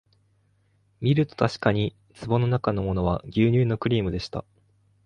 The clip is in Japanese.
みるとたしかに壺のなかのものは牛乳のクリームでした